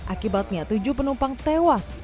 akibatnya tujuh penumpang tewas